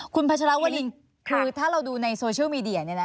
คุณพัชรวรินคือถ้าเราดูในโซเชียลมีเดียเนี่ยนะ